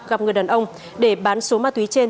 gặp người đàn ông để bán số ma túy trên